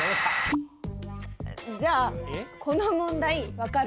じゃあこの問題分かる？